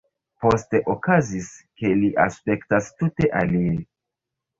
Poste okazis, ke li aspektas tute alie.